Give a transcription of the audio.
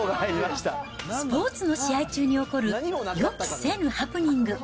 スポーツの試合中に起こる予期せぬハプニング。